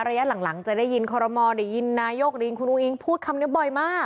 ระยะหลังจะได้ยินคอรมอลได้ยินนายกริงคุณอุ้งพูดคำนี้บ่อยมาก